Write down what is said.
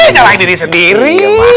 nyalahin diri sendiri